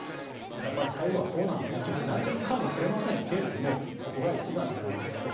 やっぱり最後はそうなのねとなっちゃうかもしれませんがそこが一番大事だと。